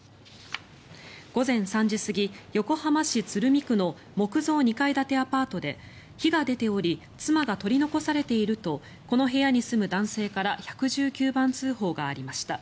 午前３時過ぎ、横浜市鶴見区の木造２階建てアパートで火が出ており妻が取り残されているとこの部屋に住む男性から１１９番通報がありました。